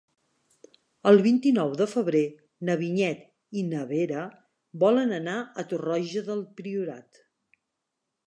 El vint-i-nou de febrer na Vinyet i na Vera volen anar a Torroja del Priorat.